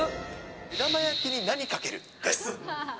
目玉焼きに何かけるです。